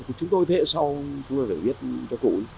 thì chúng tôi thế hệ sau chúng tôi phải viết cho cụ